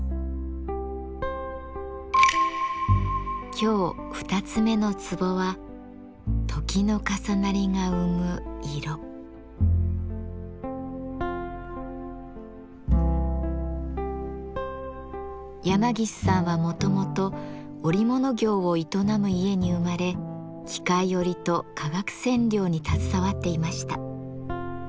今日二つ目のツボは山岸さんはもともと織物業を営む家に生まれ機械織と化学染料に携わっていました。